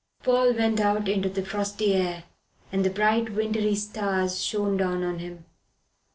Paul went out into the frosty air, and the bright wintry stars shone down on him.